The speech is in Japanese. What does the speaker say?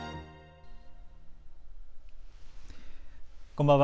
こんばんは。